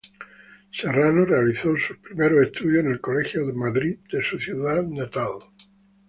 Serrano realizó sus primeros estudios en el Colegio Madrid de su ciudad natal.